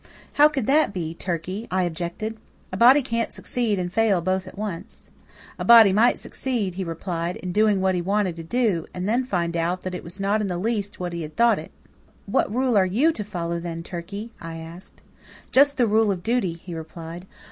"How could that be, Turkey?" I objected. "A body can't succeed and fail both at once." "A body might succeed," he replied, "in doing what he wanted to do, and then find out that it was not in the least what he had thought it." "What rule are you to follow, then, Turkey?" I asked. "Just the rule of duty," he replied.